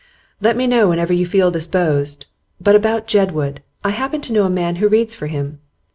'Let me know whenever you feel disposed. But about Jedwood: I happen to know a man who reads for him.